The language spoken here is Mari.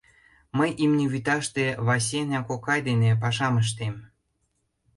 Мый имне вӱташте Васена кокай дене пашам ыштем.